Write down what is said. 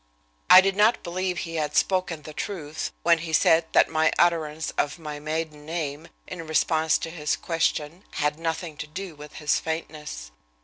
I did not believe he had spoken the truth, when he said that my utterance of my maiden name, in response to his question, had nothing to do with his faintness.